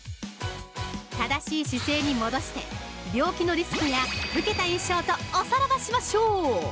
正しい姿勢に戻して病気のリスクや老けた印象とおさらばしましょう！